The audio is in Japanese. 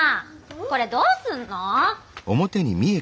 これどうすんの！